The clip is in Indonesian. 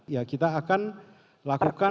ya kita akan lakukan